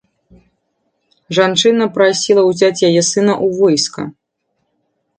Жанчына прасіла ўзяць яе сына ў войска.